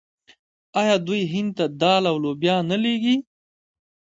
آیا دوی هند ته دال او لوبیا نه لیږي؟